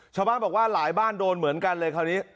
ชาวบ้านบอกว่าหลายบ้านโดนเหมือนกันเลยคราวนี้